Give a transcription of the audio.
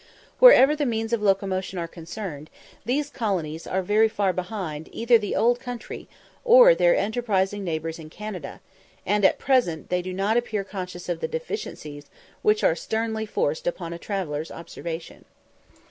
Wherever the means of locomotion are concerned, these colonies are very far behind either the "old country" or their enterprising neighbours in Canada; and at present they do not appear conscious of the deficiencies which are sternly forced upon a traveller's observation.